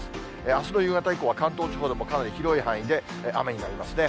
あすの夕方以降は関東地方でもかなり広い範囲で雨になりますね。